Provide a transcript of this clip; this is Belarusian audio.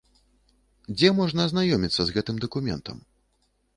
Дзе можна азнаёміцца з гэтым дакументам?